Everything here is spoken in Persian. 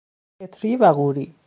کتری و قوری